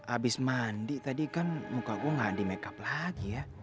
abis mandi tadi kan muka gua gak di make up lagi ya